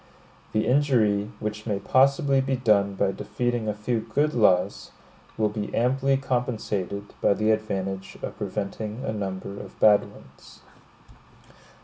The injury which may possibly be done by defeating a few good laws, will be amply compensated by the advantage of preventing a number of bad ones.